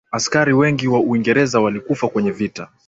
askari wengi wa uingereza walikufa kwenye vita